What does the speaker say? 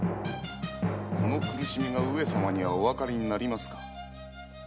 その苦しみが上様におわかりになりますか！？